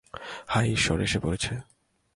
হায়, ঈশ্বর, এসে পড়েছে!